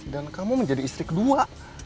dan kamu menjadi istri kedua